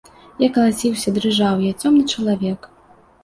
Я калаціўся, дрыжаў, я цёмны чалавек.